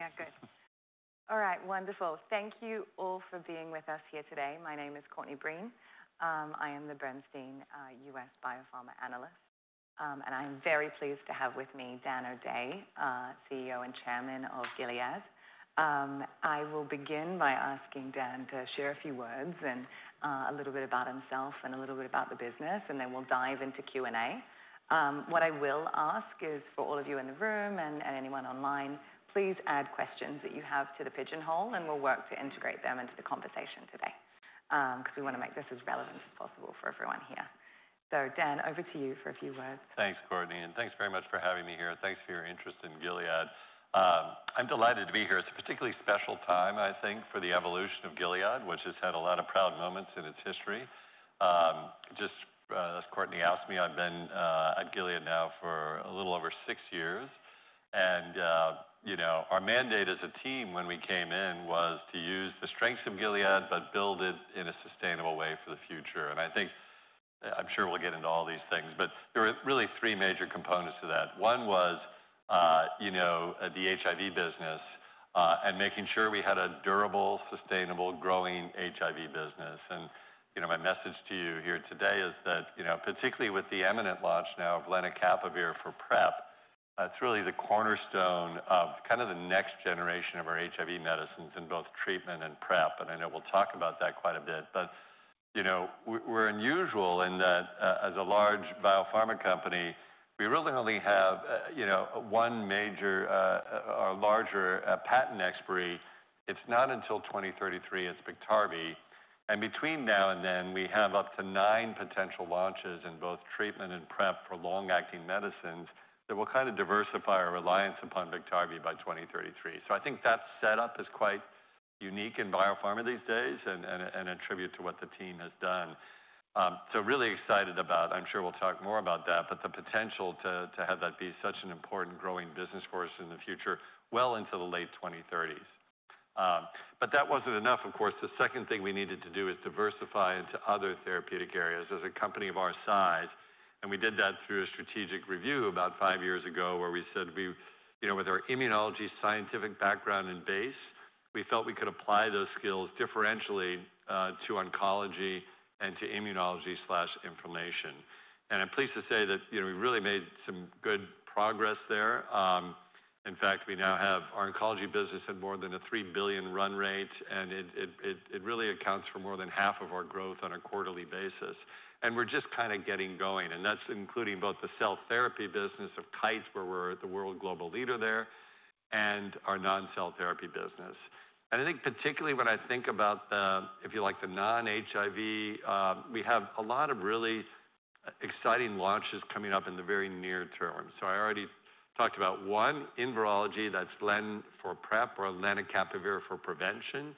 Yeah, good. All right, wonderful. Thank you all for being with us here today. My name is Courtney Breen. I am the Bernstein U.S. Biopharma Analyst, and I'm very pleased to have with me Dan O'Day, CEO and Chairman of Gilead. I will begin by asking Dan to share a few words and a little bit about himself and a little bit about the business, and then we'll dive into Q&A. What I will ask is for all of you in the room and anyone online, please add questions that you have to the pigeonhole, and we'll work to integrate them into the conversation today because we want to make this as relevant as possible for everyone here. Dan, over to you for a few words. Thanks, Courtney, and thanks very much for having me here. Thanks for your interest in Gilead. I'm delighted to be here. It's a particularly special time, I think, for the evolution of Gilead, which has had a lot of proud moments in its history. Just as Courtney asked me, I've been at Gilead now for a little over six years. Our mandate as a team when we came in was to use the strengths of Gilead, but build it in a sustainable way for the future. I think I'm sure we'll get into all these things, but there were really three major components to that. One was the HIV business and making sure we had a durable, sustainable, growing HIV business. My message to you here today is that, particularly with the imminent launch now of Lenacapavir for PrEP, it is really the cornerstone of kind of the next generation of our HIV medicines in both treatment and PrEP. I know we will talk about that quite a bit, but we are unusual in that as a large biopharma company, we really only have one major or larger patent expiry. It is not until 2033. It is Biktarvy. Between now and then, we have up to nine potential launches in both treatment and PrEP for long-acting medicines that will kind of diversify our reliance upon Biktarvy by 2033. I think that setup is quite unique in biopharma these days and a tribute to what the team has done. Really excited about, I'm sure we'll talk more about that, but the potential to have that be such an important growing business for us in the future well into the late 2030s. That was not enough, of course. The second thing we needed to do is diversify into other therapeutic areas as a company of our size. We did that through a strategic review about five years ago where we said with our immunology scientific background and base, we felt we could apply those skills differentially to oncology and to immunology/inflammation. I'm pleased to say that we really made some good progress there. In fact, we now have our oncology business at more than a $3 billion run rate, and it really accounts for more than half of our growth on a quarterly basis. We're just kind of getting going. That is including both the cell therapy business of Kite, where we are the world global leader there, and our non-cell therapy business. I think particularly when I think about the, if you like, the non-HIV, we have a lot of really exciting launches coming up in the very near term. I already talked about one in virology, that is Len for PrEP or Lenacapavir for prevention.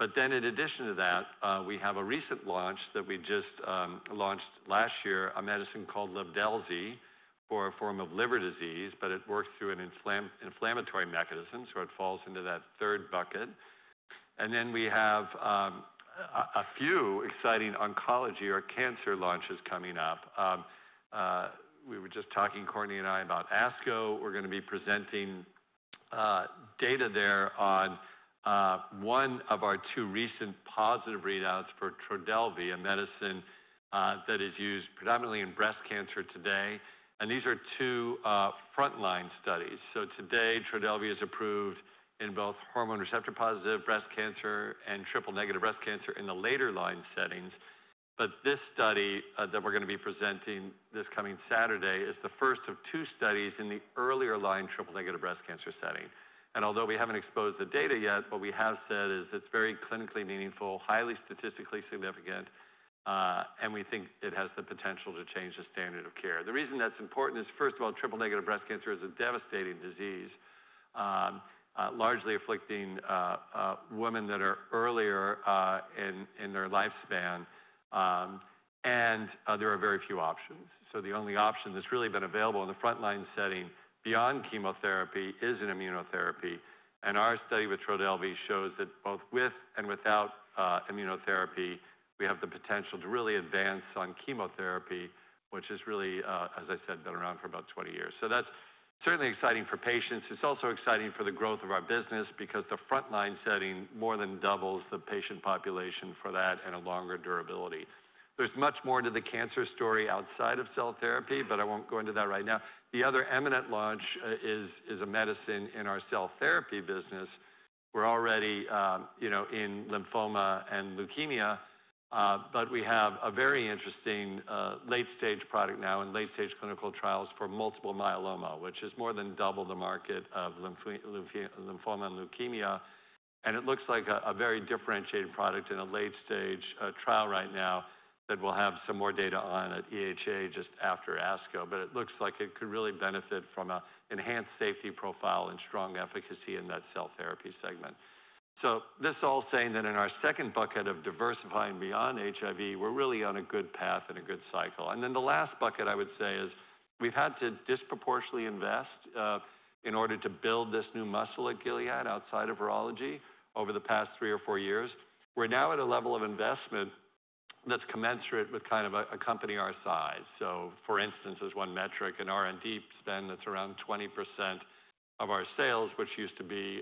In addition to that, we have a recent launch that we just launched last year, a medicine called Livdelzi for a form of liver disease, but it works through an inflammatory mechanism, so it falls into that third bucket. We have a few exciting oncology or cancer launches coming up. We were just talking, Courtney and I, about ASCO. We're going to be presenting data there on one of our two recent positive readouts for Trodelvy, a medicine that is used predominantly in breast cancer today. These are two frontline studies. Today, Trodelvy is approved in both hormone receptor positive breast cancer and triple negative breast cancer in the later line settings. This study that we're going to be presenting this coming Saturday is the first of two studies in the earlier line triple negative breast cancer setting. Although we haven't exposed the data yet, what we have said is it's very clinically meaningful, highly statistically significant, and we think it has the potential to change the standard of care. The reason that's important is, first of all, triple negative breast cancer is a devastating disease, largely afflicting women that are earlier in their lifespan. There are very few options. The only option that's really been available in the frontline setting beyond chemotherapy is an immunotherapy. Our study with Trodelvy shows that both with and without immunotherapy, we have the potential to really advance on chemotherapy, which has really, as I said, been around for about 20 years. That is certainly exciting for patients. It is also exciting for the growth of our business because the frontline setting more than doubles the patient population for that and a longer durability. There is much more to the cancer story outside of cell therapy, but I will not go into that right now. The other eminent launch is a medicine in our cell therapy business. We are already in lymphoma and leukemia, but we have a very interesting late-stage product now in late-stage clinical trials for multiple myeloma, which has more than doubled the market of lymphoma and leukemia. It looks like a very differentiated product in a late-stage trial right now that we'll have some more data on at EHA just after ASCO. It looks like it could really benefit from an enhanced safety profile and strong efficacy in that cell therapy segment. This all saying that in our second bucket of diversifying beyond HIV, we're really on a good path and a good cycle. The last bucket I would say is we've had to disproportionately invest in order to build this new muscle at Gilead outside of virology over the past three or four years. We're now at a level of investment that's commensurate with kind of a company our size. For instance, there's one metric in R&D spend that's around 20% of our sales, which used to be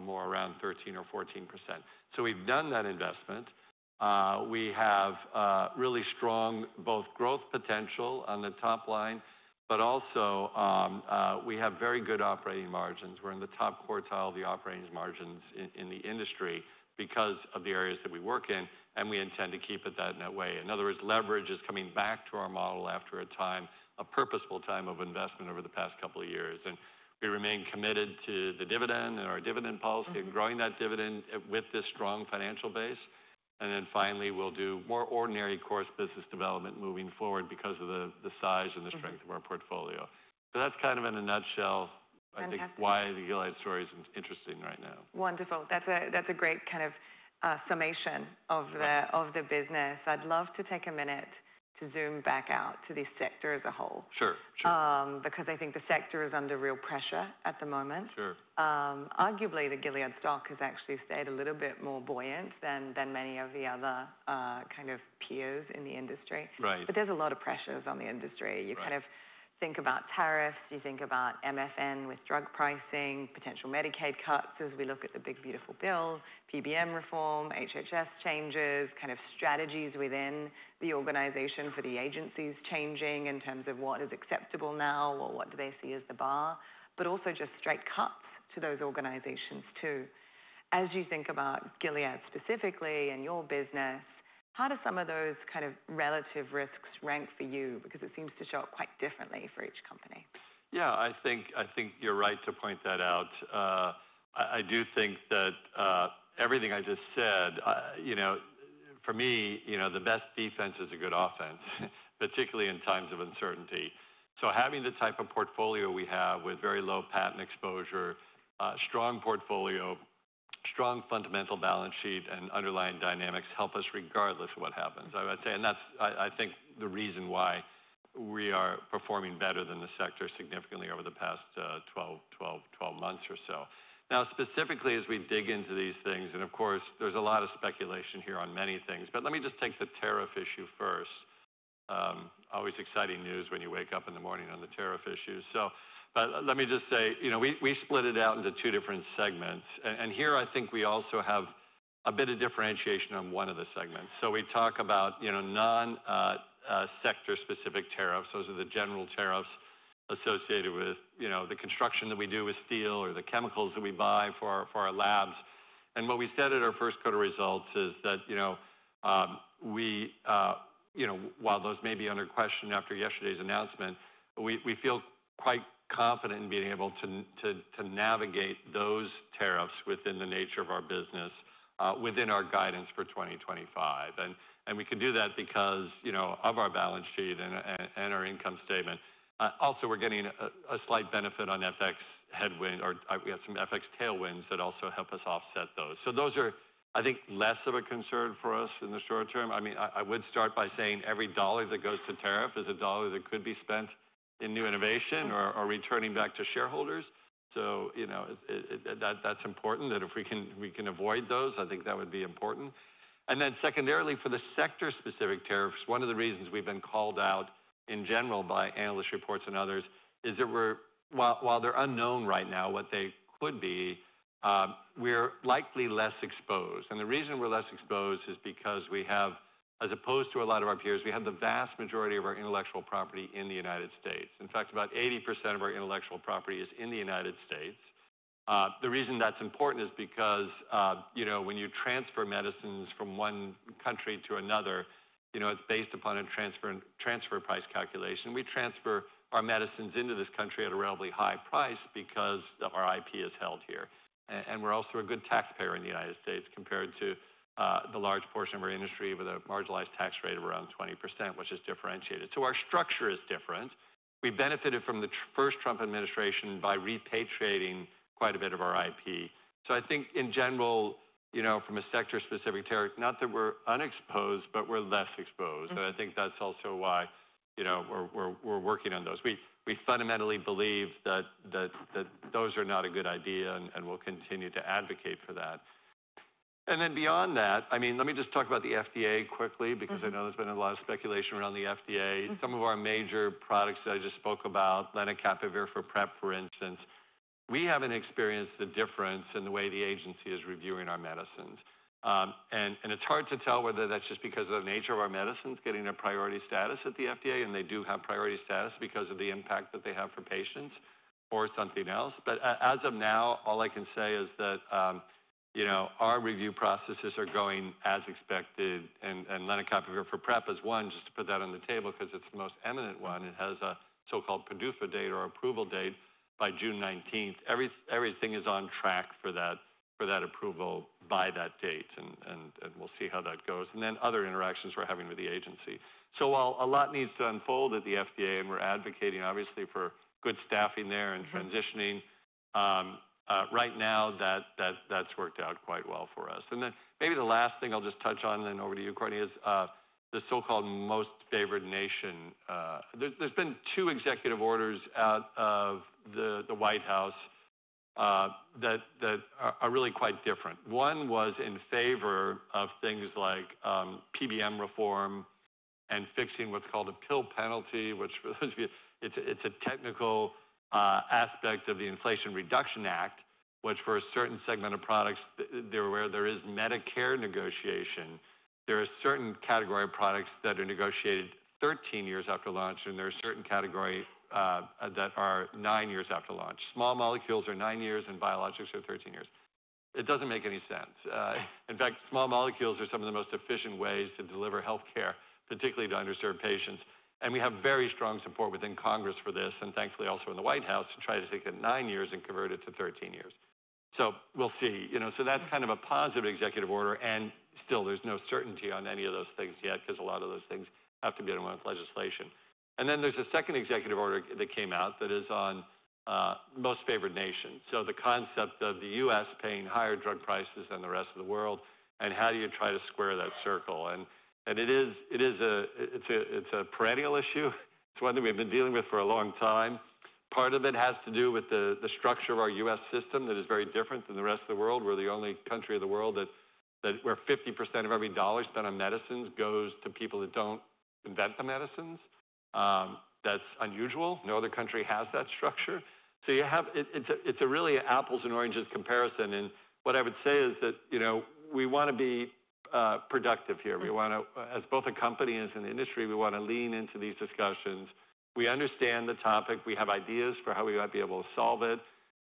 more around 13% or 14%. We've done that investment. We have really strong both growth potential on the top line, but also we have very good operating margins. We are in the top quartile of the operating margins in the industry because of the areas that we work in, and we intend to keep it that way. In other words, leverage is coming back to our model after a time, a purposeful time of investment over the past couple of years. We remain committed to the dividend and our dividend policy and growing that dividend with this strong financial base. Finally, we will do more ordinary course business development moving forward because of the size and the strength of our portfolio. That is kind of in a nutshell, I think, why the Gilead story is interesting right now. Wonderful. That's a great kind of summation of the business. I'd love to take a minute to zoom back out to the sector as a whole. Sure, sure. Because I think the sector is under real pressure at the moment. Sure. Arguably, the Gilead stock has actually stayed a little bit more buoyant than many of the other kind of peers in the industry. Right. There is a lot of pressure on the industry. You kind of think about tariffs, you think about MFN with drug pricing, potential Medicaid cuts as we look at the big beautiful bill, PBM reform, HHS changes, kind of strategies within the organization for the agencies changing in terms of what is acceptable now or what do they see as the bar, but also just straight cuts to those organizations too. As you think about Gilead specifically and your business, how do some of those kind of relative risks rank for you? Because it seems to show up quite differently for each company. Yeah, I think you're right to point that out. I do think that everything I just said, for me, the best defense is a good offense, particularly in times of uncertainty. Having the type of portfolio we have with very low patent exposure, strong portfolio, strong fundamental balance sheet, and underlying dynamics help us regardless of what happens, I would say. I think that's the reason why we are performing better than the sector significantly over the past 12 months or so. Now, specifically, as we dig into these things, and of course, there's a lot of speculation here on many things, let me just take the tariff issue first. Always exciting news when you wake up in the morning on the tariff issues. Let me just say, we split it out into two different segments. Here, I think we also have a bit of differentiation on one of the segments. We talk about non-sector specific tariffs. Those are the general tariffs associated with the construction that we do with steel or the chemicals that we buy for our labs. What we said at our first quarter results is that, while those may be under question after yesterday's announcement, we feel quite confident in being able to navigate those tariffs within the nature of our business, within our guidance for 2025. We can do that because of our balance sheet and our income statement. Also, we're getting a slight benefit on FX headwind or we have some FX tailwinds that also help us offset those. Those are, I think, less of a concern for us in the short term. I mean, I would start by saying every dollar that goes to tariff is a dollar that could be spent in new innovation or returning back to shareholders. That is important that if we can avoid those, I think that would be important. Secondarily, for the sector specific tariffs, one of the reasons we have been called out in general by analyst reports and others is that while they are unknown right now, what they could be, we are likely less exposed. The reason we are less exposed is because we have, as opposed to a lot of our peers, the vast majority of our intellectual property in the United States. In fact, about 80% of our intellectual property is in the United States. The reason that is important is because when you transfer medicines from one country to another, it is based upon a transfer price calculation. We transfer our medicines into this country at a relatively high price because our IP is held here. And we're also a good taxpayer in the United States compared to the large portion of our industry with a marginalized tax rate of around 20%, which is differentiated. So our structure is different. We benefited from the first Trump administration by repatriating quite a bit of our IP. I think in general, from a sector specific tariff, not that we're unexposed, but we're less exposed. I think that's also why we're working on those. We fundamentally believe that those are not a good idea and we'll continue to advocate for that. Then beyond that, I mean, let me just talk about the FDA quickly because I know there's been a lot of speculation around the FDA. Some of our major products that I just spoke about, Lenacapavir for PrEP, for instance, we have not experienced the difference in the way the agency is reviewing our medicines. It is hard to tell whether that is just because of the nature of our medicines getting a priority status at the FDA, and they do have priority status because of the impact that they have for patients or something else. As of now, all I can say is that our review processes are going as expected. Lenacapavir for PrEP is one, just to put that on the table because it is the most eminent one. It has a so-called PDUFA date or approval date by June 19. Everything is on track for that approval by that date, and we will see how that goes. Other interactions we are having with the agency. While a lot needs to unfold at the FDA and we're advocating, obviously, for good staffing there and transitioning, right now that's worked out quite well for us. Maybe the last thing I'll just touch on and then over to you, Courtney, is the so-called most favored nation. There have been two executive orders out of the White House that are really quite different. One was in favor of things like PBM reform and fixing what's called a PIL penalty, which for those of you, it's a technical aspect of the Inflation Reduction Act, which for a certain segment of products, there is Medicare negotiation. There are certain category products that are negotiated 13 years after launch, and there are certain categories that are nine years after launch. Small molecules are nine years and biologics are 13 years. It doesn't make any sense. In fact, small molecules are some of the most efficient ways to deliver healthcare, particularly to underserved patients. We have very strong support within Congress for this, and thankfully also in the White House to try to take it nine years and convert it to 13 years. We'll see. That is kind of a positive executive order. Still, there's no certainty on any of those things yet because a lot of those things have to be in a month's legislation. There is a second executive order that came out that is on most favored nations. The concept of the U.S. paying higher drug prices than the rest of the world and how do you try to square that circle. It's a perennial issue. It's one that we've been dealing with for a long time. Part of it has to do with the structure of our U.S. system that is very different than the rest of the world. We're the only country of the world where 50% of every dollar spent on medicines goes to people that don't invent the medicines. That's unusual. No other country has that structure. It is really an apples and oranges comparison. What I would say is that we want to be productive here. As both a company and as an industry, we want to lean into these discussions. We understand the topic. We have ideas for how we might be able to solve it.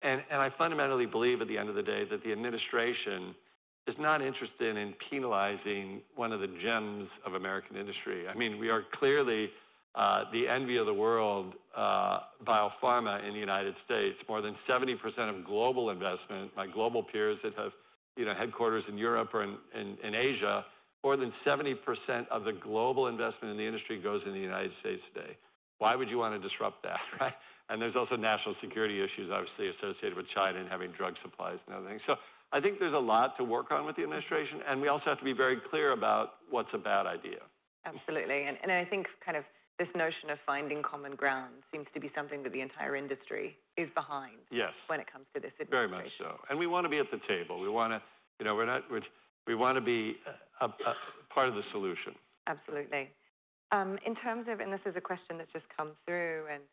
I fundamentally believe at the end of the day that the administration is not interested in penalizing one of the gems of American industry. I mean, we are clearly the envy of the world, biopharma in the United States. More than 70% of global investment, my global peers that have headquarters in Europe or in Asia, more than 70% of the global investment in the industry goes in the United States today. Why would you want to disrupt that? There are also national security issues, obviously, associated with China and having drug supplies and other things. I think there is a lot to work on with the administration. We also have to be very clear about what is a bad idea. Absolutely. I think kind of this notion of finding common ground seems to be something that the entire industry is behind when it comes to this administration. Yes, very much so. We want to be at the table. We want to be a part of the solution. Absolutely. In terms of, and this is a question that just comes through, and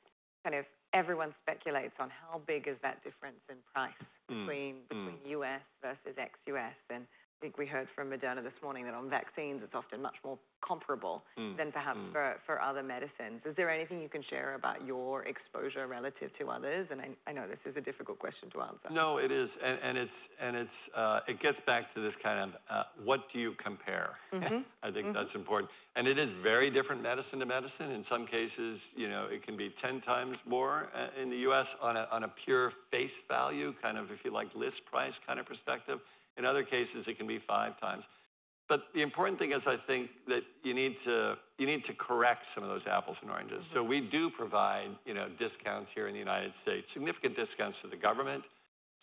kind of everyone speculates on how big is that difference in price between U.S. versus ex-U.S.. I think we heard from Moderna this morning that on vaccines, it's often much more comparable than perhaps for other medicines. Is there anything you can share about your exposure relative to others? I know this is a difficult question to answer. No, it is. It gets back to this kind of what do you compare? I think that's important. It is very different medicine to medicine. In some cases, it can be 10 times more in the U.S. on a pure face value, kind of if you like list price kind of perspective. In other cases, it can be five times. The important thing is I think that you need to correct some of those apples and oranges. We do provide discounts here in the United States, significant discounts to the government,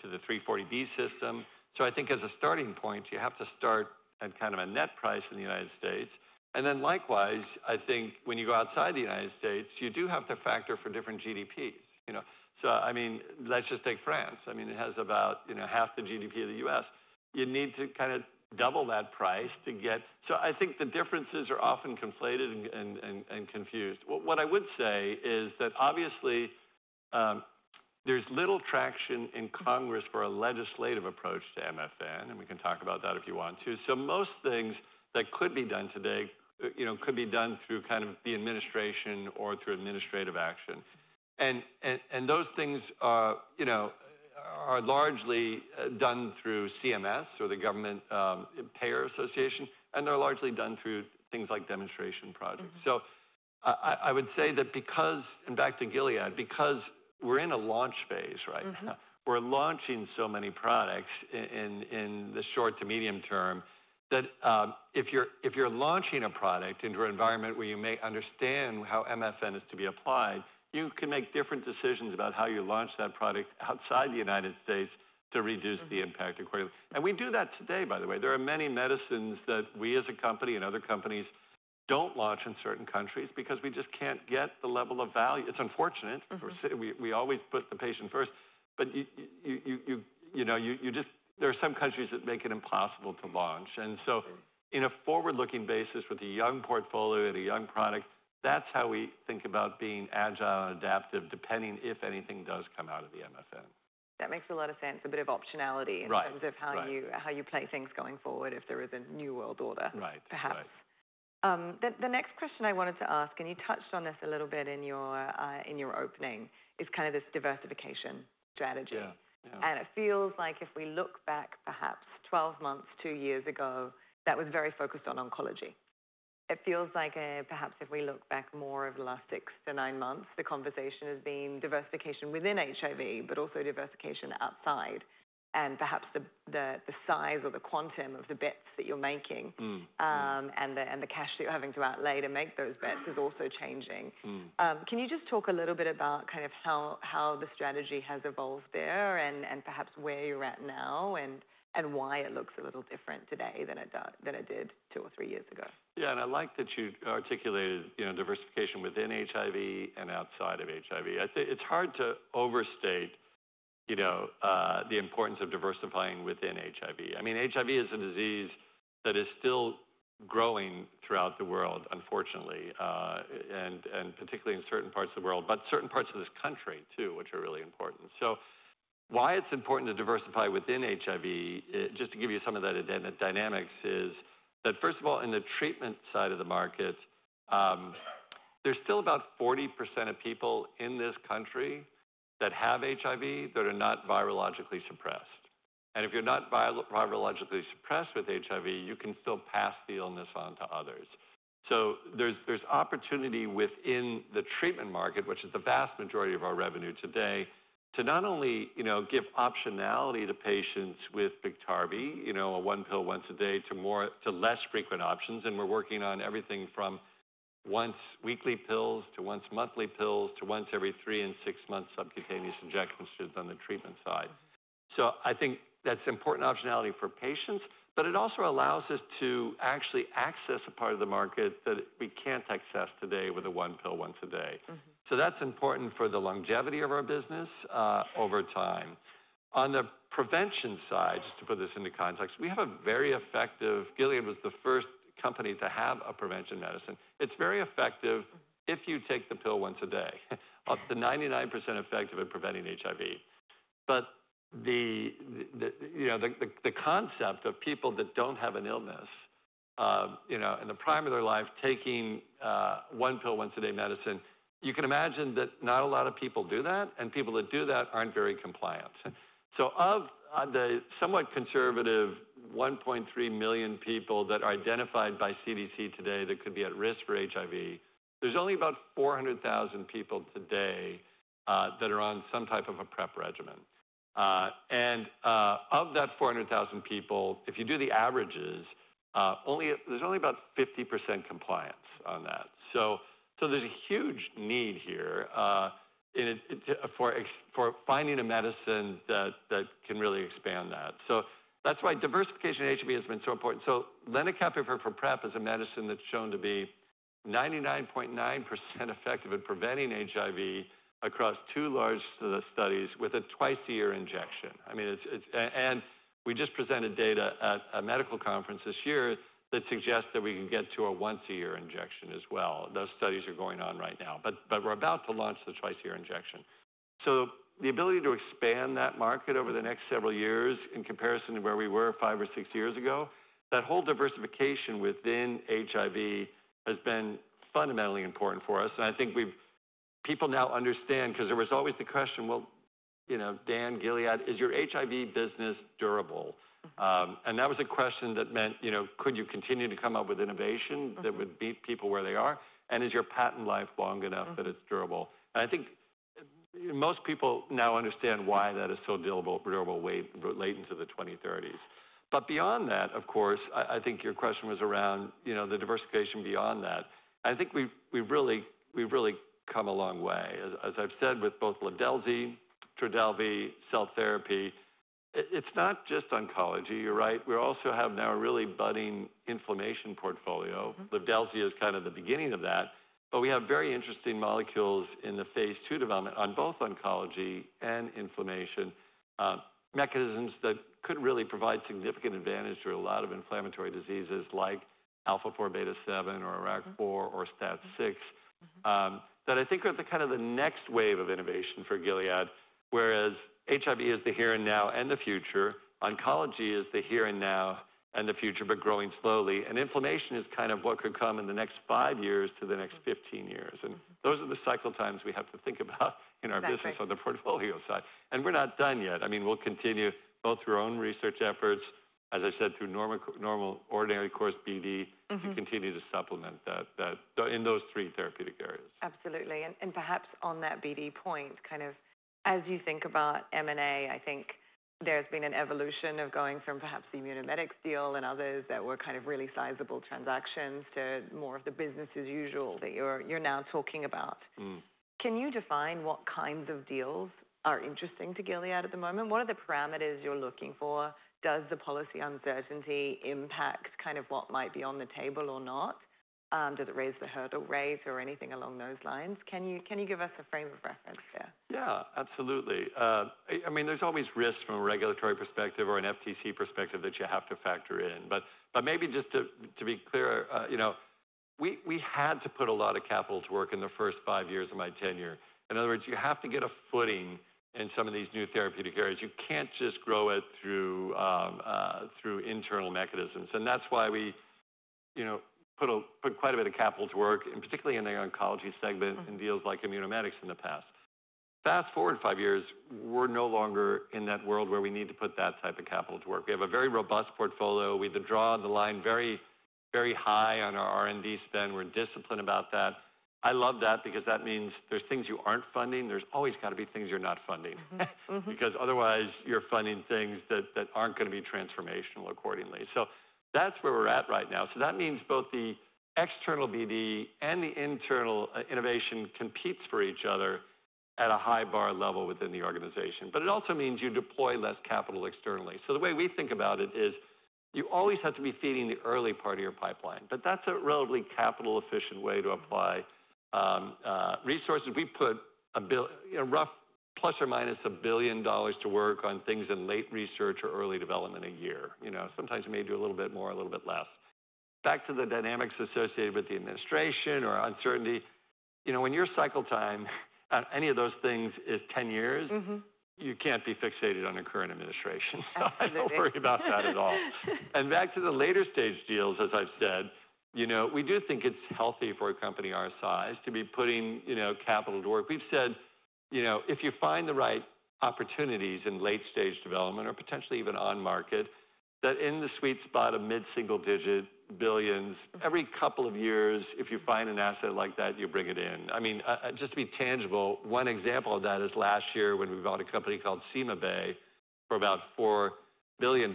to the 340B system. I think as a starting point, you have to start at kind of a net price in the United States. Likewise, I think when you go outside the United States, you do have to factor for different GDPs. I mean, let's just take France. I mean, it has about half the GDP of the U.S. You need to kind of double that price to get. I think the differences are often conflated and confused. What I would say is that obviously there's little traction in Congress for a legislative approach to MFN. We can talk about that if you want to. Most things that could be done today could be done through kind of the administration or through administrative action. Those things are largely done through CMS or the Government Payer Association. They're largely done through things like demonstration projects. I would say that because, and back to Gilead, because we're in a launch phase, right? We're launching so many products in the short to medium term that if you're launching a product into an environment where you may understand how MFN is to be applied, you can make different decisions about how you launch that product outside the United States to reduce the impact accordingly. We do that today, by the way. There are many medicines that we as a company and other companies don't launch in certain countries because we just can't get the level of value. It's unfortunate. We always put the patient first. There are some countries that make it impossible to launch. In a forward-looking basis with a young portfolio and a young product, that's how we think about being agile and adaptive, depending if anything does come out of the MFN. That makes a lot of sense. A bit of optionality in terms of how you play things going forward if there is a new world order, perhaps. The next question I wanted to ask, and you touched on this a little bit in your opening, is kind of this diversification strategy. It feels like if we look back perhaps 12 months, two years ago, that was very focused on oncology. It feels like perhaps if we look back more over the last six to nine months, the conversation has been diversification within HIV, but also diversification outside. Perhaps the size or the quantum of the bets that you're making and the cash that you're having to outlay to make those bets is also changing. Can you just talk a little bit about kind of how the strategy has evolved there and perhaps where you're at now and why it looks a little different today than it did two or three years ago? Yeah, and I like that you articulated diversification within HIV and outside of HIV. It's hard to overstate the importance of diversifying within HIV. I mean, HIV is a disease that is still growing throughout the world, unfortunately, and particularly in certain parts of the world, but certain parts of this country too, which are really important. Why it's important to diversify within HIV, just to give you some of that dynamics, is that first of all, in the treatment side of the market, there's still about 40% of people in this country that have HIV that are not virologically suppressed. If you're not virologically suppressed with HIV, you can still pass the illness on to others. There's opportunity within the treatment market, which is the vast majority of our revenue today, to not only give optionality to patients with Biktarvy, a one pill once a day, to less frequent options. We're working on everything from once-weekly pills to once-monthly pills to once every three and six months subcutaneous injections on the treatment side. I think that's important optionality for patients, but it also allows us to actually access a part of the market that we can't access today with a one pill once a day. That's important for the longevity of our business over time. On the prevention side, just to put this into context, we have a very effective—Gilead was the first company to have a prevention medicine. It's very effective if you take the pill once a day. It's 99% effective in preventing HIV. The concept of people that do not have an illness in the prime of their life taking one pill once a day medicine, you can imagine that not a lot of people do that. People that do that are not very compliant. Of the somewhat conservative 1.3 million people that are identified by CDC today that could be at risk for HIV, there are only about 400,000 people today that are on some type of a PrEP regimen. Of that 400,000 people, if you do the averages, there is only about 50% compliance on that. There is a huge need here for finding a medicine that can really expand that. That is why diversification in HIV has been so important. Lenacapavir for PrEP is a medicine that has shown to be 99.9% effective at preventing HIV across two large studies with a twice a year injection. I mean, and we just presented data at a medical conference this year that suggests that we can get to a once a year injection as well. Those studies are going on right now. We are about to launch the twice a year injection. The ability to expand that market over the next several years in comparison to where we were five or six years ago, that whole diversification within HIV has been fundamentally important for us. I think people now understand because there was always the question, well, Dan, Gilead, is your HIV business durable? That was a question that meant, could you continue to come up with innovation that would meet people where they are? Is your patent life long enough that it is durable? I think most people now understand why that is so durable, latent to the 2030s. Beyond that, of course, I think your question was around the diversification beyond that. I think we've really come a long way. As I've said with both Livdelzi, Trodelvy, cell therapy, it's not just oncology, you're right. We also have now a really budding inflammation portfolio. Livdelzi is kind of the beginning of that. We have very interesting molecules in the phase two development on both oncology and inflammation mechanisms that could really provide significant advantage to a lot of inflammatory diseases like alpha-4 beta-7 or IRAK4 or STAT6 that I think are kind of the next wave of innovation for Gilead. Whereas HIV is the here and now and the future. Oncology is the here and now and the future, but growing slowly. Inflammation is kind of what could come in the next five years to the next 15 years. Those are the cycle times we have to think about in our business on the portfolio side. We're not done yet. I mean, we'll continue both through our own research efforts, as I said, through normal ordinary course BD to continue to supplement that in those three therapeutic areas. Absolutely. Perhaps on that BD point, kind of as you think about M&A, I think there's been an evolution of going from perhaps the Immunomedics deal and others that were kind of really sizable transactions to more of the business as usual that you're now talking about. Can you define what kinds of deals are interesting to Gilead at the moment? What are the parameters you're looking for? Does the policy uncertainty impact kind of what might be on the table or not? Does it raise the hurdle rate or anything along those lines? Can you give us a frame of reference there? Yeah, absolutely. I mean, there's always risks from a regulatory perspective or an FTC perspective that you have to factor in. Maybe just to be clear, we had to put a lot of capital to work in the first five years of my tenure. In other words, you have to get a footing in some of these new therapeutic areas. You can't just grow it through internal mechanisms. That's why we put quite a bit of capital to work, and particularly in the oncology segment in deals like Immunomedics in the past. Fast forward five years, we're no longer in that world where we need to put that type of capital to work. We have a very robust portfolio. We draw on the line very high on our R&D spend. We're disciplined about that. I love that because that means there's things you aren't funding. There's always got to be things you're not funding because otherwise you're funding things that aren't going to be transformational accordingly. That's where we're at right now. That means both the external BD and the internal innovation competes for each other at a high bar level within the organization. It also means you deploy less capital externally. The way we think about it is you always have to be feeding the early part of your pipeline. That's a relatively capital-efficient way to apply resources. We put a rough plus or minus $1 billion to work on things in late research or early development a year. Sometimes you may do a little bit more, a little bit less. Back to the dynamics associated with the administration or uncertainty. When your cycle time on any of those things is 10 years, you can't be fixated on a current administration. Don't worry about that at all. Back to the later stage deals, as I've said, we do think it's healthy for a company our size to be putting capital to work. We've said if you find the right opportunities in late stage development or potentially even on market, that in the sweet spot of mid-single digit billions, every couple of years, if you find an asset like that, you bring it in. I mean, just to be tangible, one example of that is last year when we bought a company called CymaBay for about $4 billion.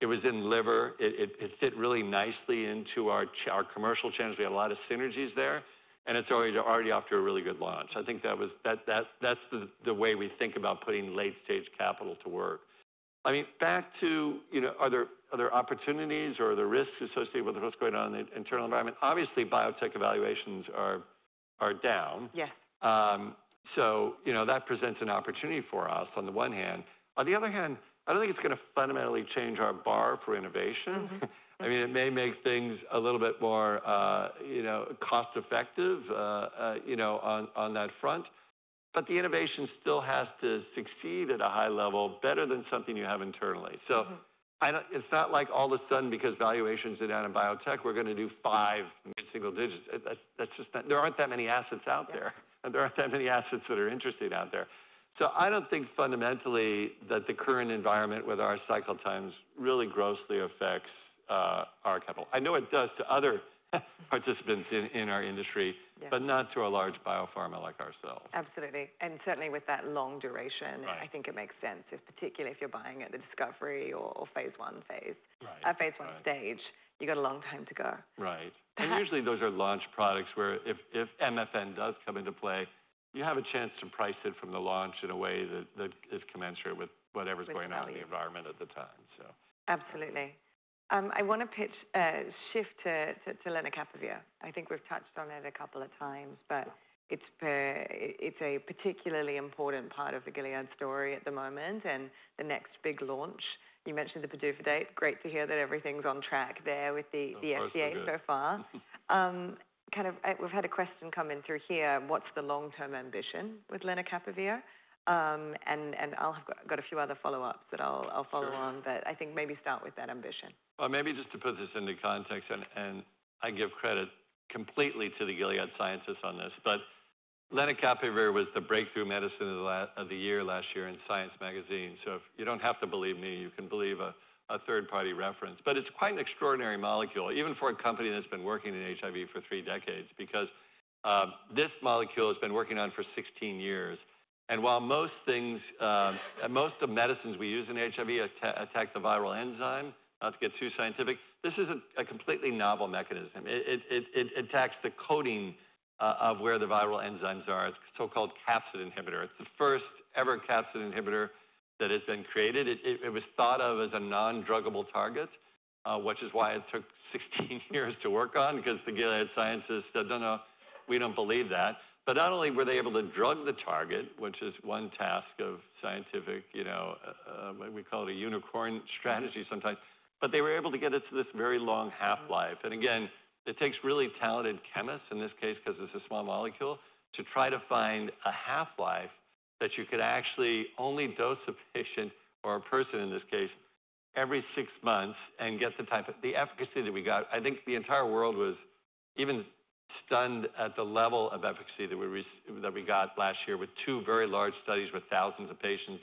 It was in liver. It fit really nicely into our commercial channels. We had a lot of synergies there. It's already off to a really good launch. I think that's the way we think about putting late stage capital to work. I mean, back to are there opportunities or are there risks associated with what's going on in the internal environment? Obviously, biotech valuations are down. That presents an opportunity for us on the one hand. On the other hand, I don't think it's going to fundamentally change our bar for innovation. I mean, it may make things a little bit more cost-effective on that front. The innovation still has to succeed at a high level better than something you have internally. It's not like all of a sudden because valuations are down in biotech, we're going to do five mid-single digits. There aren't that many assets out there. There aren't that many assets that are interested out there. I do not think fundamentally that the current environment, whether our cycle times really grossly affects our capital. I know it does to other participants in our industry, but not to a large biopharma like ourselves. Absolutely. Certainly with that long duration, I think it makes sense, particularly if you're buying at the discovery or phase one phase. At phase one stage, you've got a long time to go. Right. Usually those are launch products where if MFN does come into play, you have a chance to price it from the launch in a way that is commensurate with whatever is going on in the environment at the time. Absolutely. I want to pitch a shift to Lenacapavir. I think we've touched on it a couple of times, but it's a particularly important part of the Gilead story at the moment and the next big launch. You mentioned the PDUFA date. Great to hear that everything's on track there with the SCA so far. Kind of we've had a question come in through here. What's the long-term ambition with Lenacapavir? And I've got a few other follow-ups that I'll follow on, but I think maybe start with that ambition. Maybe just to put this into context, and I give credit completely to the Gilead scientists on this, but Lenacapavir was the breakthrough medicine of the year last year in Science magazine. If you do not have to believe me, you can believe a third-party reference. It is quite an extraordinary molecule, even for a company that has been working in HIV for three decades because this molecule has been worked on for 16 years. While most of the medicines we use in HIV attack the viral enzyme, not to get too scientific, this is a completely novel mechanism. It attacks the coding of where the viral enzymes are. It is a so-called capsid inhibitor. It is the first ever capsid inhibitor that has been created. It was thought of as a non-druggable target, which is why it took 16 years to work on because the Gilead scientists said, "No, no, we don't believe that." Not only were they able to drug the target, which is one task of scientific, we call it a unicorn strategy sometimes, they were able to get it to this very long half-life. Again, it takes really talented chemists in this case because it's a small molecule to try to find a half-life that you could actually only dose a patient or a person in this case every six months and get the efficacy that we got. I think the entire world was even stunned at the level of efficacy that we got last year with two very large studies with thousands of patients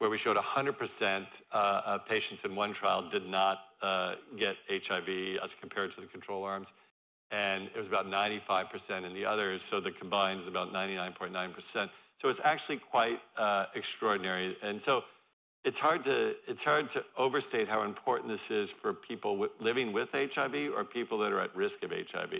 where we showed 100% of patients in one trial did not get HIV as compared to the control arms. It was about 95% in the others. The combined is about 99.9%. It is actually quite extraordinary. It is hard to overstate how important this is for people living with HIV or people that are at risk of HIV.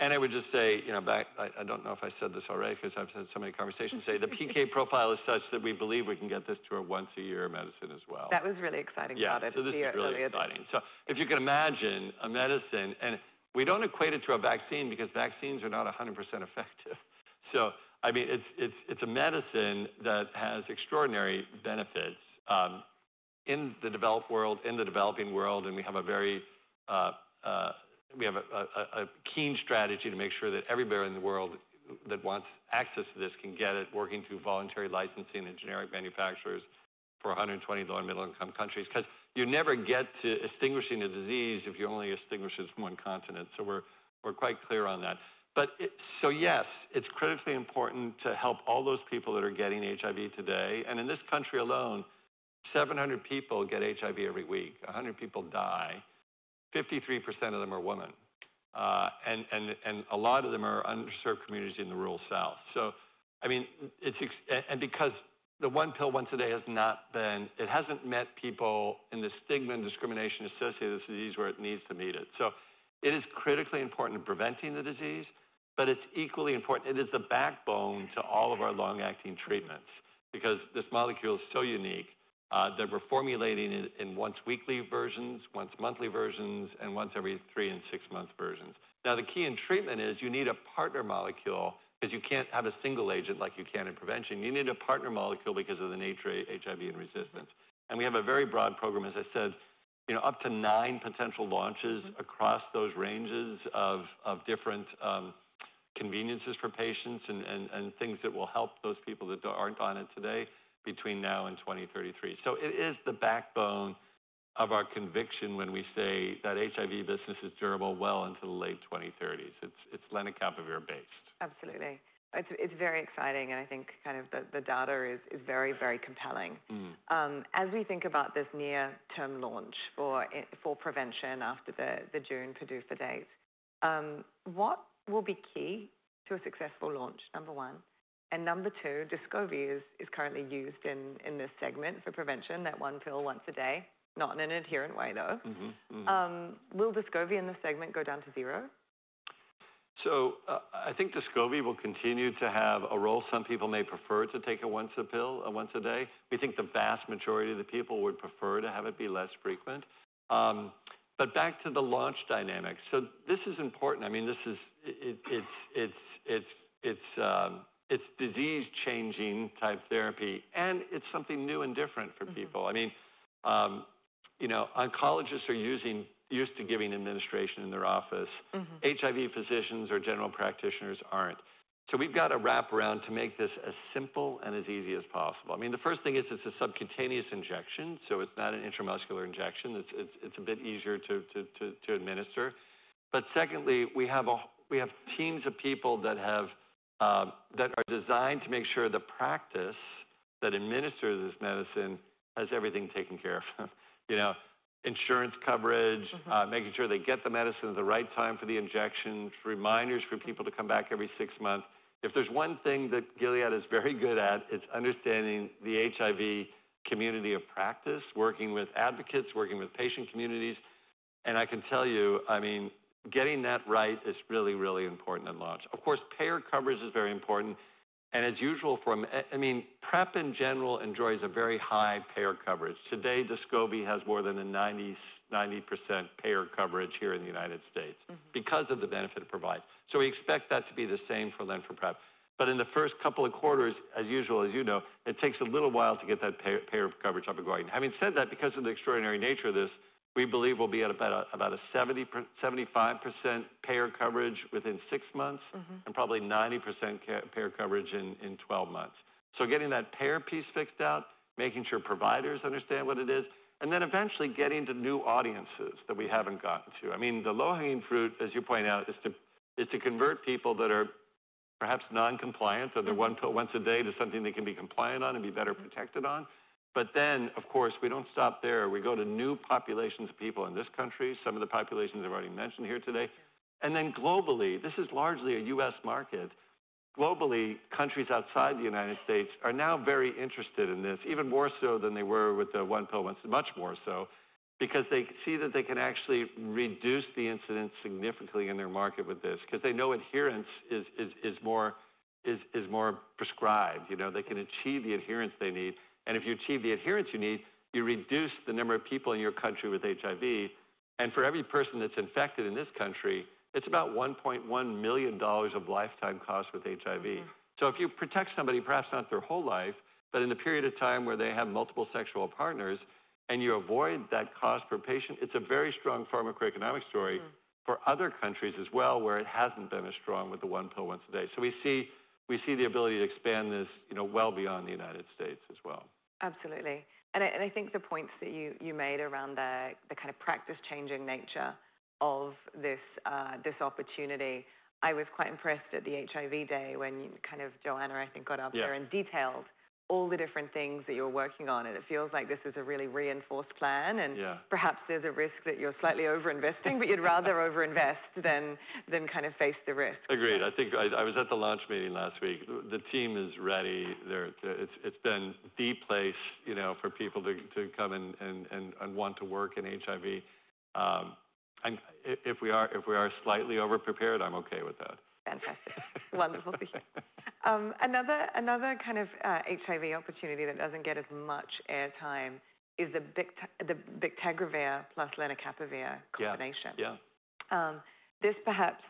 I would just say, I do not know if I said this already because I have had so many conversations, the PK profile is such that we believe we can get this to a once a year medicine as well. That was really exciting about it. Yeah, it's really exciting. If you can imagine a medicine, and we don't equate it to a vaccine because vaccines are not 100% effective. I mean, it's a medicine that has extraordinary benefits in the developed world, in the developing world. We have a keen strategy to make sure that everybody in the world that wants access to this can get it, working through voluntary licensing and generic manufacturers for 120 low and middle-income countries because you never get to extinguishing a disease if you only extinguish it from one continent. We're quite clear on that. Yes, it's critically important to help all those people that are getting HIV today. In this country alone, 700 people get HIV every week. 100 people die. 53% of them are women. A lot of them are underserved communities in the rural South. I mean, and because the one pill once a day has not been, it hasn't met people in the stigma and discrimination associated with this disease where it needs to meet it. It is critically important in preventing the disease, but it's equally important. It is the backbone to all of our long-acting treatments because this molecule is so unique that we're formulating it in once-weekly versions, once-monthly versions, and once every three and six-month versions. Now, the key in treatment is you need a partner molecule because you can't have a single agent like you can in prevention. You need a partner molecule because of the nature of HIV and resistance. We have a very broad program, as I said, up to nine potential launches across those ranges of different conveniences for patients and things that will help those people that aren't on it today between now and 2033. It is the backbone of our conviction when we say that HIV business is durable well into the late 2030s. It's Lenacapavir-based. Absolutely. It's very exciting. I think kind of the data is very, very compelling. As we think about this near-term launch for prevention after the June PDUFA date, what will be key to a successful launch, number one? Number two, Descovy is currently used in this segment for prevention, that one pill once a day, not in an adherent way, though. Will Descovy in this segment go down to zero? I think Descovy will continue to have a role. Some people may prefer to take a once-a-day. We think the vast majority of the people would prefer to have it be less frequent. Back to the launch dynamic. This is important. I mean, this is disease-changing type therapy. And it's something new and different for people. I mean, oncologists are used to giving administration in their office. HIV physicians or general practitioners aren't. We've got to wrap around to make this as simple and as easy as possible. I mean, the first thing is it's a subcutaneous injection. It's not an intramuscular injection. It's a bit easier to administer. Secondly, we have teams of people that are designed to make sure the practice that administers this medicine has everything taken care of. Insurance coverage, making sure they get the medicine at the right time for the injections, reminders for people to come back every six months. If there's one thing that Gilead is very good at, it's understanding the HIV community of practice, working with advocates, working with patient communities. I can tell you, I mean, getting that right is really, really important in launch. Of course, payer coverage is very important. As usual for, I mean, PrEP in general enjoys a very high payer coverage. Today, Descovy has more than a 90% payer coverage here in the United States because of the benefit it provides. We expect that to be the same for Lenacapavir. In the first couple of quarters, as usual, as you know, it takes a little while to get that payer coverage up and going. Having said that, because of the extraordinary nature of this, we believe we'll be at about a 75% payer coverage within six months and probably 90% payer coverage in 12 months. Getting that payer piece fixed out, making sure providers understand what it is, and then eventually getting to new audiences that we haven't gotten to. I mean, the low-hanging fruit, as you point out, is to convert people that are perhaps non-compliant or they're one pill once a day to something they can be compliant on and be better protected on. Of course, we don't stop there. We go to new populations of people in this country. Some of the populations I've already mentioned here today. Globally, this is largely a U.S. market. Globally, countries outside the U.S. are now very interested in this, even more so than they were with the one pill once, much more so because they see that they can actually reduce the incidence significantly in their market with this because they know adherence is more prescribed. They can achieve the adherence they need. If you achieve the adherence you need, you reduce the number of people in your country with HIV. For every person that's infected in this country, it's about $1.1 million of lifetime cost with HIV. If you protect somebody, perhaps not their whole life, but in the period of time where they have multiple sexual partners and you avoid that cost per patient, it's a very strong pharmaco-economic story for other countries as well where it hasn't been as strong with the one pill once a day. We see the ability to expand this well beyond the United States as well. Absolutely. I think the points that you made around the kind of practice-changing nature of this opportunity, I was quite impressed at the HIV day when kind of Johanna, I think, got up there and detailed all the different things that you're working on. It feels like this is a really reinforced plan. Perhaps there's a risk that you're slightly over-investing, but you'd rather over-invest than kind of face the risk. Agreed. I think I was at the launch meeting last week. The team is ready. It's been the place for people to come and want to work in HIV. If we are slightly over-prepared, I'm okay with that. Fantastic. Wonderful to hear. Another kind of HIV opportunity that does not get as much airtime is the Biktarvy plus Lenacapavir combination. This perhaps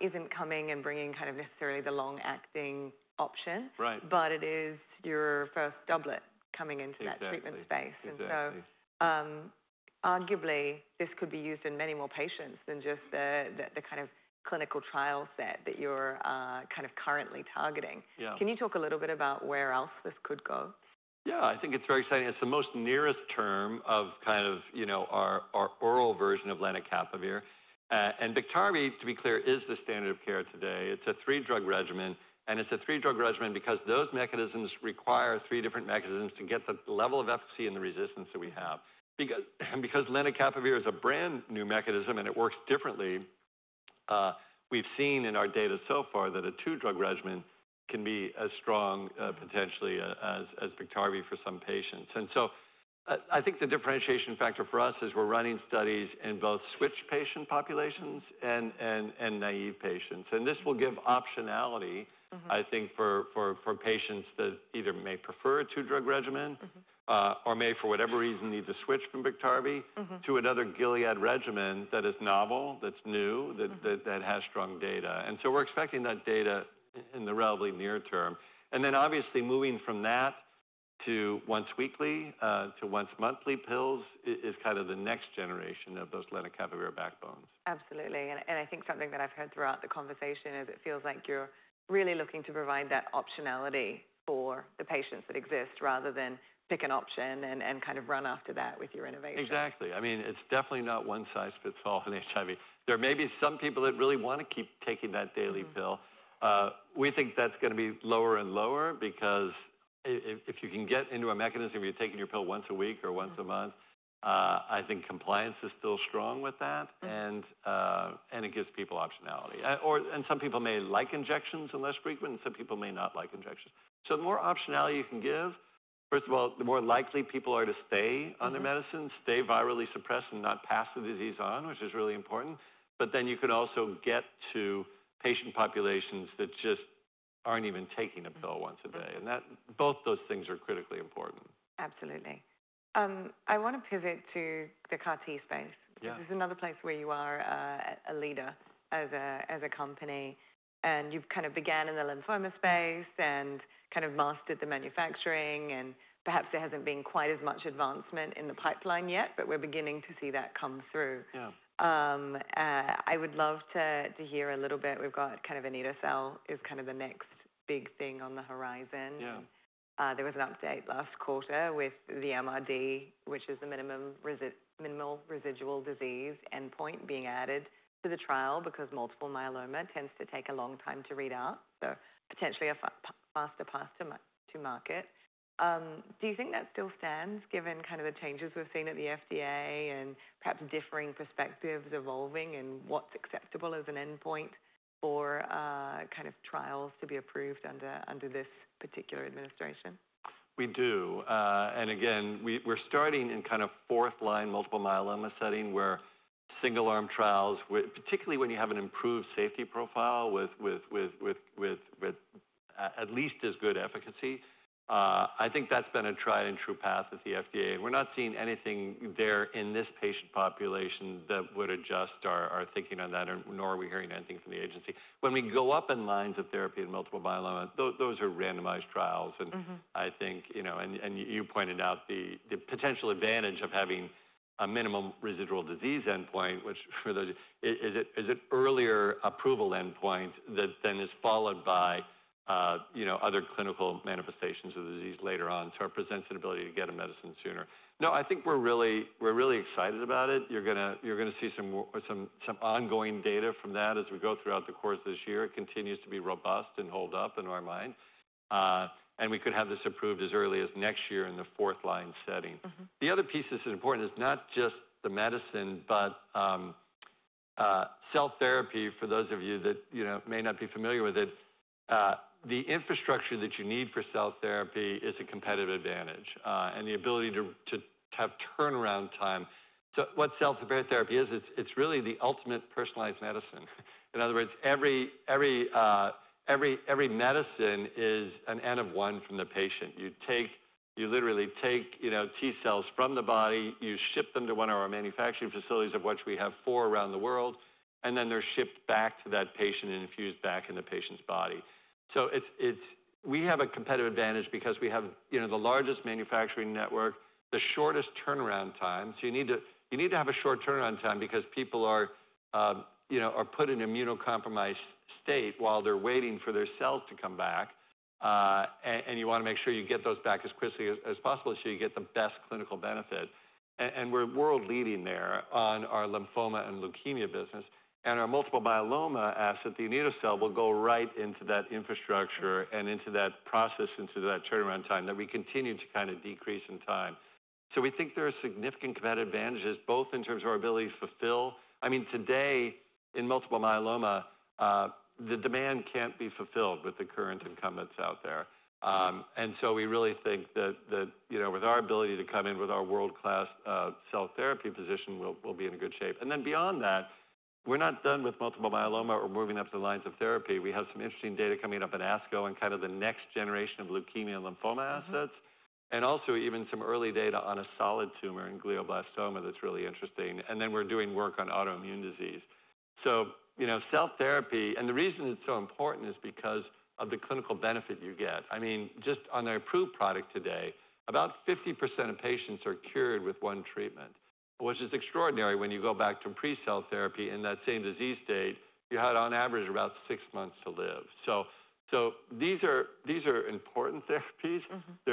is not coming and bringing kind of necessarily the long-acting option, but it is your first doublet coming into that treatment space. Arguably, this could be used in many more patients than just the kind of clinical trial set that you are currently targeting. Can you talk a little bit about where else this could go? Yeah, I think it's very exciting. It's the most nearest term of kind of our oral version of Lenacapavir. And Biktarvy, to be clear, is the standard of care today. It's a three-drug regimen. It's a three-drug regimen because those mechanisms require three different mechanisms to get the level of efficacy and the resistance that we have. Because Lenacapavir is a brand new mechanism and it works differently, we've seen in our data so far that a two-drug regimen can be as strong potentially as Biktarvy for some patients. I think the differentiation factor for us is we're running studies in both switch patient populations and naive patients. This will give optionality, I think, for patients that either may prefer a two-drug regimen or may, for whatever reason, need to switch from Biktarvy to another Gilead regimen that is novel, that's new, that has strong data. We are expecting that data in the relatively near term. Obviously, moving from that to once-weekly to once-monthly pills is kind of the next generation of those Lenacapavir backbones. Absolutely. I think something that I've heard throughout the conversation is it feels like you're really looking to provide that optionality for the patients that exist rather than pick an option and kind of run after that with your innovation. Exactly. I mean, it's definitely not one-size-fits-all in HIV. There may be some people that really want to keep taking that daily pill. We think that's going to be lower and lower because if you can get into a mechanism where you're taking your pill once a week or once a month, I think compliance is still strong with that. It gives people optionality. Some people may like injections and less frequent, and some people may not like injections. The more optionality you can give, first of all, the more likely people are to stay on their medicines, stay virally suppressed, and not pass the disease on, which is really important. You can also get to patient populations that just aren't even taking a pill once a day. Both those things are critically important. Absolutely. I want to pivot to the CAR-T space because this is another place where you are a leader as a company. You have kind of began in the lymphoma space and kind of mastered the manufacturing. Perhaps there hasn't been quite as much advancement in the pipeline yet, but we're beginning to see that come through. I would love to hear a little bit. We've got kind of anito-cel is kind of the next big thing on the horizon. There was an update last quarter with the MRD, which is the minimal residual disease endpoint being added to the trial because multiple myeloma tends to take a long time to read out, so potentially a faster path to market. Do you think that still stands given kind of the changes we've seen at the FDA and perhaps differing perspectives evolving and what's acceptable as an endpoint for kind of trials to be approved under this particular administration? We do. Again, we're starting in kind of fourth-line multiple myeloma setting where single-arm trials, particularly when you have an improved safety profile with at least as good efficacy. I think that's been a tried-and-true path at the FDA. We're not seeing anything there in this patient population that would adjust our thinking on that, nor are we hearing anything from the agency. When we go up in lines of therapy in multiple myeloma, those are randomized trials. I think, and you pointed out the potential advantage of having a minimal residual disease endpoint, which for those is an earlier approval endpoint that then is followed by other clinical manifestations of the disease later on to represent an ability to get a medicine sooner. No, I think we're really excited about it. You're going to see some ongoing data from that as we go throughout the course of this year. It continues to be robust and hold up in our mind. We could have this approved as early as next year in the fourth-line setting. The other piece that's important is not just the medicine, but cell therapy. For those of you that may not be familiar with it, the infrastructure that you need for cell therapy is a competitive advantage and the ability to have turnaround time. What cell therapy is, it's really the ultimate personalized medicine. In other words, every medicine is an end of one from the patient. You literally take T cells from the body. You ship them to one of our manufacturing facilities, of which we have four around the world, and then they're shipped back to that patient and infused back in the patient's body. We have a competitive advantage because we have the largest manufacturing network, the shortest turnaround time. You need to have a short turnaround time because people are put in immunocompromised state while they're waiting for their cells to come back. You want to make sure you get those back as quickly as possible so you get the best clinical benefit. We're world-leading there on our lymphoma and leukemia business. Our multiple myeloma asset, the anito-cel, will go right into that infrastructure and into that process, into that turnaround time that we continue to kind of decrease in time. We think there are significant competitive advantages, both in terms of our ability to fulfill. I mean, today, in multiple myeloma, the demand cannot be fulfilled with the current incumbents out there. We really think that with our ability to come in with our world-class cell therapy position, we will be in good shape. Beyond that, we are not done with multiple myeloma or moving up the lines of therapy. We have some interesting data coming up in ASCO on kind of the next generation of leukemia and lymphoma assets, and also even some early data on a solid tumor in glioblastoma that is really interesting. We are doing work on autoimmune disease. Cell therapy, and the reason it is so important is because of the clinical benefit you get. I mean, just on the approved product today, about 50% of patients are cured with one treatment, which is extraordinary when you go back to pre-cell therapy in that same disease state. You had, on average, about six months to live. These are important therapies. They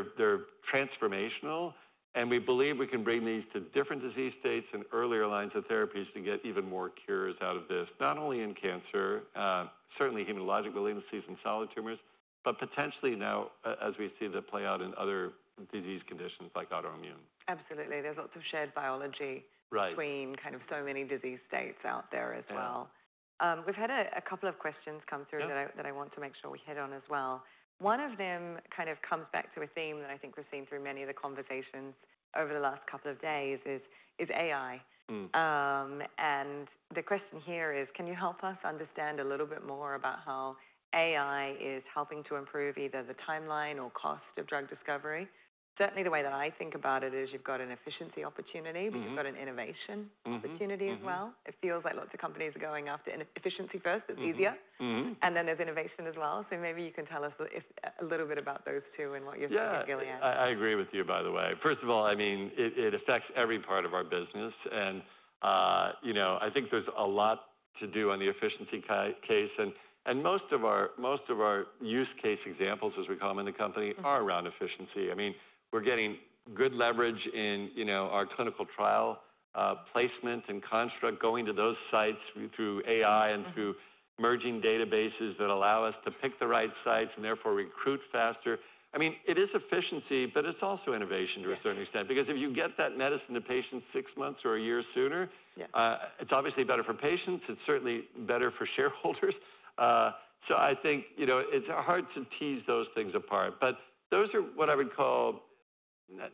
are transformational. We believe we can bring these to different disease states and earlier lines of therapies to get even more cures out of this, not only in cancer, certainly hematologic malignancies and solid tumors, but potentially now, as we see the play out in other disease conditions like autoimmune. Absolutely. There is lots of shared biology between kind of so many disease states out there as well. We have had a couple of questions come through that I want to make sure we hit on as well. One of them kind of comes back to a theme that I think we have seen through many of the conversations over the last couple of days is AI. The question here is, can you help us understand a little bit more about how AI is helping to improve either the timeline or cost of drug discovery? Certainly, the way that I think about it is you have got an efficiency opportunity because you have got an innovation opportunity as well. It feels like lots of companies are going after efficiency first. It is easier. Then there is innovation as well. Maybe you can tell us a little bit about those two and what you're seeing with Gilead. I agree with you, by the way. First of all, I mean, it affects every part of our business. I think there's a lot to do on the efficiency case. Most of our use case examples, as we call them in the company, are around efficiency. I mean, we're getting good leverage in our clinical trial placement and construct, going to those sites through AI and through merging databases that allow us to pick the right sites and therefore recruit faster. I mean, it is efficiency, but it's also innovation to a certain extent because if you get that medicine to patients six months or a year sooner, it's obviously better for patients. It's certainly better for shareholders. I think it's hard to tease those things apart. Those are what I would call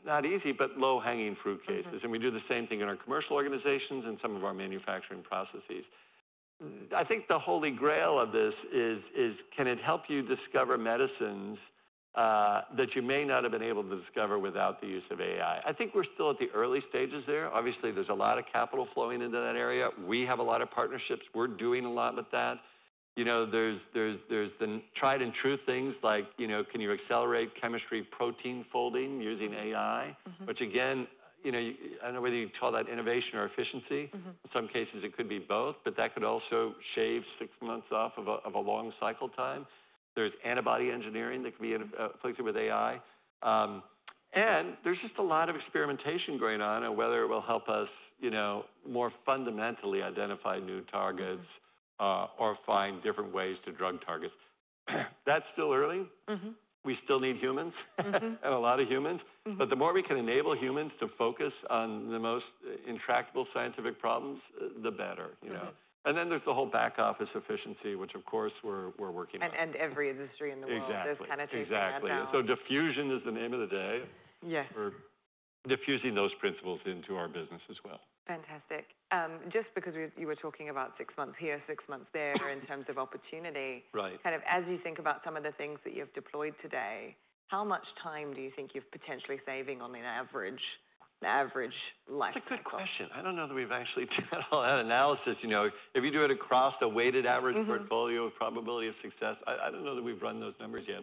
not easy, but low-hanging fruit cases. We do the same thing in our commercial organizations and some of our manufacturing processes. I think the holy grail of this is, can it help you discover medicines that you may not have been able to discover without the use of AI? I think we're still at the early stages there. Obviously, there's a lot of capital flowing into that area. We have a lot of partnerships. We're doing a lot with that. There's the tried-and-true things like, can you accelerate chemistry protein folding using AI? Which, again, I don't know whether you'd call that innovation or efficiency. In some cases, it could be both, but that could also shave six months off of a long cycle time. There's antibody engineering that can be inflected with AI. There is just a lot of experimentation going on and whether it will help us more fundamentally identify new targets or find different ways to drug targets. That is still early. We still need humans and a lot of humans. The more we can enable humans to focus on the most intractable scientific problems, the better. There is the whole back office efficiency, which, of course, we are working on. Every industry in the world is kind of treating it that way. Exactly. Diffusion is the name of the day. We're diffusing those principles into our business as well. Fantastic. Just because you were talking about six months here, six months there in terms of opportunity, kind of as you think about some of the things that you've deployed today, how much time do you think you're potentially saving on an average life cycle? That's a good question. I don't know that we've actually done all that analysis. If you do it across a weighted average portfolio of probability of success, I don't know that we've run those numbers yet.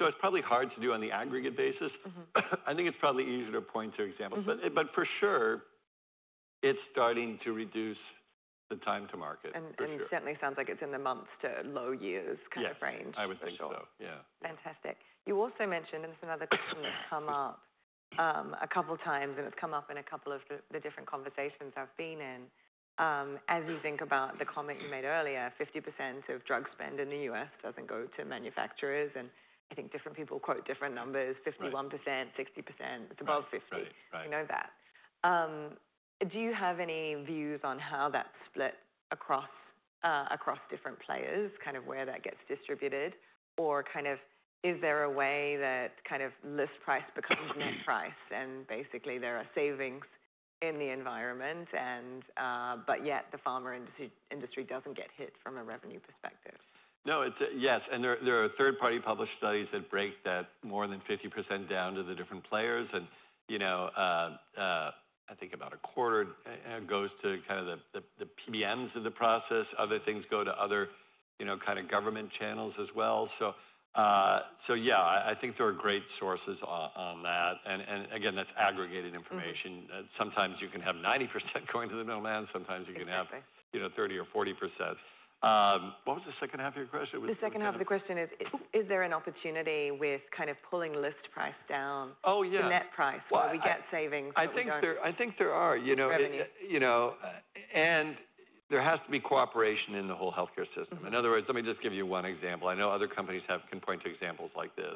It is probably hard to do on the aggregate basis. I think it's probably easier to point to examples. For sure, it's starting to reduce the time to market. It certainly sounds like it's in the months to low years kind of range. Yeah, I would think so. Yeah. Fantastic. You also mentioned, and this is another question that's come up a couple of times, and it's come up in a couple of the different conversations I've been in, as you think about the comment you made earlier, 50% of drug spend in the U.S. doesn't go to manufacturers. I think different people quote different numbers, 51%, 60%. It's above 50%. We know that. Do you have any views on how that's split across different players, kind of where that gets distributed? Is there a way that kind of list price becomes net price and basically there are savings in the environment, but yet the pharma industry doesn't get hit from a revenue perspective? No, yes. There are third-party published studies that break that more than 50% down to the different players. I think about a quarter goes to kind of the PBMs of the process. Other things go to other kind of government channels as well. Yeah, I think there are great sources on that. Again, that is aggregated information. Sometimes you can have 90% going to the middle man. Sometimes you can have 30-40%. What was the second half of your question? The second half of the question is, is there an opportunity with kind of pulling list price down to net price where we get savings from drugs? I think there are. There has to be cooperation in the whole healthcare system. In other words, let me just give you one example. I know other companies can point to examples like this.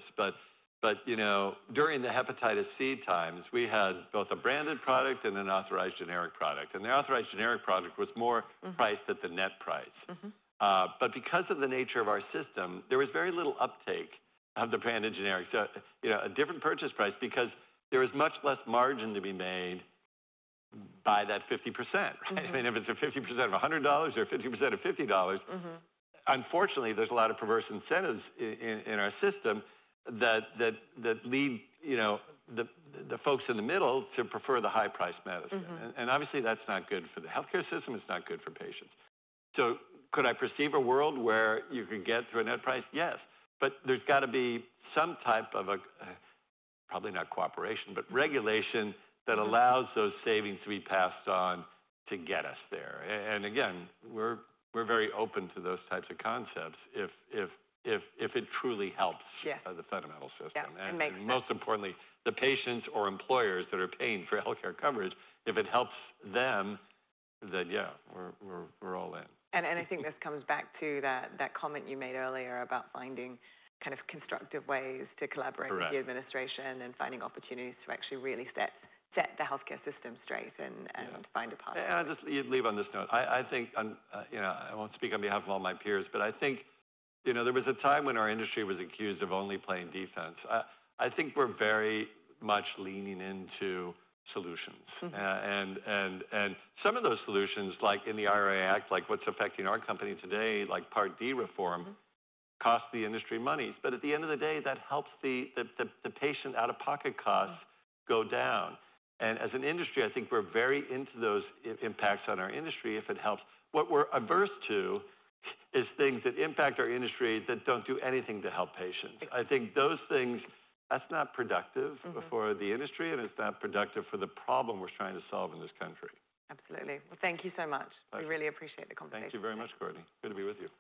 During the hepatitis C times, we had both a branded product and an authorized generic product. The authorized generic product was more priced at the net price. Because of the nature of our system, there was very little uptake of the branded generic, a different purchase price because there was much less margin to be made by that 50%. I mean, if it is 50% of $100 or 50% of $50, unfortunately, there are a lot of perverse incentives in our system that lead the folks in the middle to prefer the high-priced medicine. Obviously, that is not good for the healthcare system. It is not good for patients. Could I perceive a world where you could get through a net price? Yes. There has got to be some type of, probably not cooperation, but regulation that allows those savings to be passed on to get us there. Again, we are very open to those types of concepts if it truly helps the fundamental system. Most importantly, the patients or employers that are paying for healthcare coverage, if it helps them, then yeah, we are all in. I think this comes back to that comment you made earlier about finding kind of constructive ways to collaborate with the administration and finding opportunities to actually really set the healthcare system straight and find a path. Yeah, I'll just leave on this note. I think I won't speak on behalf of all my peers, but I think there was a time when our industry was accused of only playing defense. I think we're very much leaning into solutions. Some of those solutions, like in the IRA, like what's affecting our company today, like Part D reform, cost the industry money. At the end of the day, that helps the patient out-of-pocket costs go down. As an industry, I think we're very into those impacts on our industry if it helps. What we're averse to is things that impact our industry that don't do anything to help patients. I think those things, that's not productive for the industry, and it's not productive for the problem we're trying to solve in this country. Absolutely. Thank you so much. We really appreciate the conversation. Thank you very much, Courtney. Good to be with you.